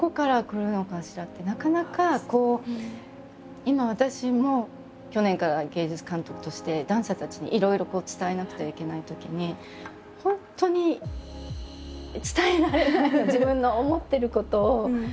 なかなかこう今私も去年から芸術監督としてダンサーたちにいろいろ伝えなくてはいけないときに本当に伝えられないの自分の思ってることを。